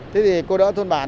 thế thì cô đỡ thôn bản